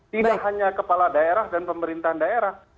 tidak hanya kepala daerah dan pemerintahan daerah